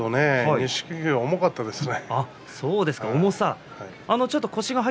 錦木が重かったですね。